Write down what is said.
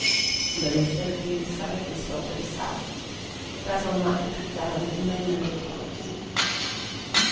But instead of doing so he sold them south. Bazil might be put down at nine hundred dollars.